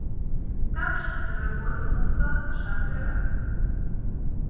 Такшым, тыгай годым мом каласашат ӧрат.